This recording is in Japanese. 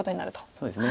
そうですね。